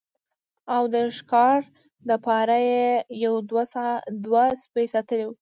او د ښکار د پاره يې يو دوه سپي ساتلي وو